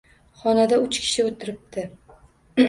Xonada uch kishi oʻtiribdi.